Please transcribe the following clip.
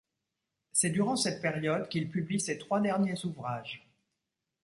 C'est durant cette période qu'il publie ses trois derniers ouvrages.